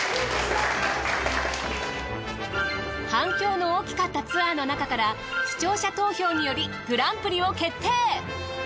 反響の大きかったツアーのなかから視聴者投票によりグランプリを決定！